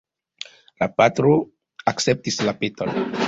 La patro akceptis la peton.